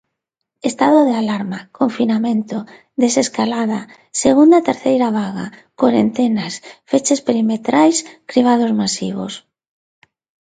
Estado de alarma, confinamento, desescalada, segunda e terceira vaga, corentenas, feches perimetrais, cribados masivos.